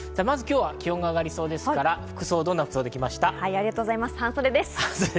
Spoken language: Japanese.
今日は気温が上がりそうですから、どんな服装できましたか？